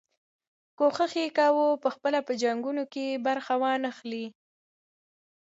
کوښښ یې کاوه پخپله په جنګونو کې برخه وانه خلي.